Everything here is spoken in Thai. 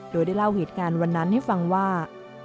โดยได้เล่าเหตุการณ์วันนั้นให้ฟังว่า